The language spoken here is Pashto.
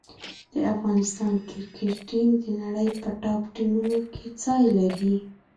د افغانستان کرکټ ټیم د نړۍ په ټاپ ټیمونو کې ځای لري.